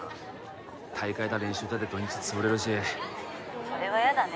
大会だ練習だで土日潰れるし☎それはやだね